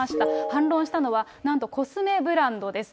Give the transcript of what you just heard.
反論したのはなんとコスメブランドです。